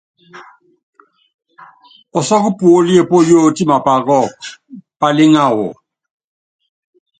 Pɔsɔ́kɔ́ puólíe póyótí mapá kɔ́ɔku, pálíŋa wɔ.